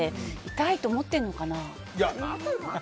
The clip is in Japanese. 痛いと思ってるのかな。